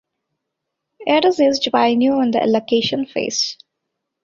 It is used by new in the allocation phase.